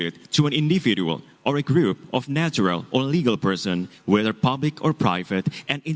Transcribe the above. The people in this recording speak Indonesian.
jadi banyak dari penelitian yang telah dilakukan